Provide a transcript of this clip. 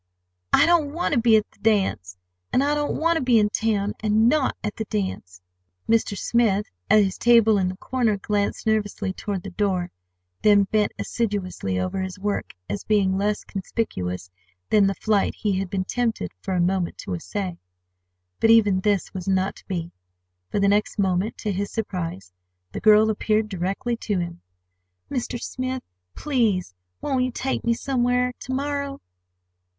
"I don't want to be at the dance—and I don't want to be in town, and not at the dance." Mr. Smith, at his table in the corner, glanced nervously toward the door, then bent assiduously over his work, as being less conspicuous than the flight he had been tempted for a moment to essay. But even this was not to be, for the next moment, to his surprise, the girl appealed directly to him. "Mr. Smith, please, won't you take me somewhere to morrow?"